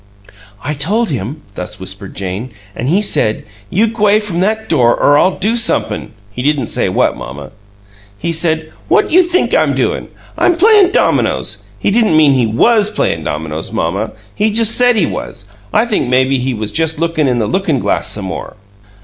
"I told him," thus whispered Jane, "an' he said, 'You g'way from that door or I'll do somep'm' he didn't say what, mamma. He said, 'What you think I'm doin'? I'm playin' dominoes.' He didn't mean he WAS playin' dominoes, mamma. He just said he was. I think maybe he was just lookin' in the lookin' glass some more."